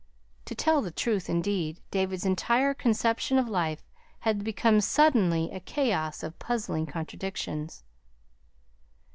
To tell the truth, indeed, David's entire conception of life had become suddenly a chaos of puzzling contradictions.